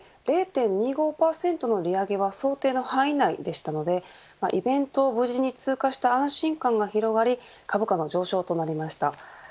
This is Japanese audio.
０．２５％の利上げは想定の範囲内でしたのでイベントを無事に通過した安心感が広がり株価の上昇となりました。